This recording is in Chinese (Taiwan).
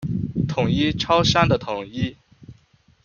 統一超商的統一